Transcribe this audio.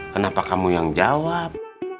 kenapa kamu yang jawab